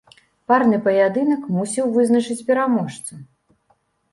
Парны паядынак мусіў вызначыць пераможцу.